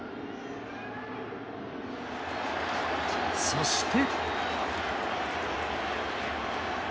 そして。